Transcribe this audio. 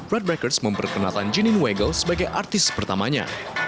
red records memperkenalkan jenine weigel sebagai artis pertamanya